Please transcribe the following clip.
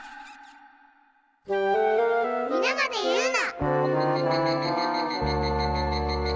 「みなまで言うな」。